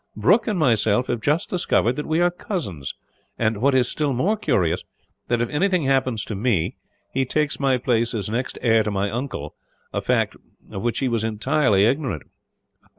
Brooke and myself have just discovered that we are cousins and, what is still more curious, that if anything happens to me, he takes my place as next heir to my uncle, a fact of which he was entirely ignorant."